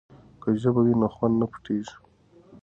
که ژبه وي نو خوند نه پټیږي.